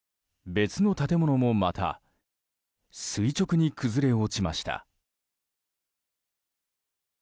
別の建物もまた垂直に崩れ落ちました。